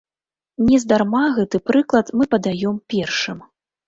Нездарма гэты прыклад мы падаём першым.